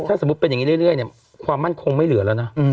ถ้าสมมุติเป็นอย่างนี้เรื่อยเนี่ยความมั่นคงไม่เหลือแล้วนะ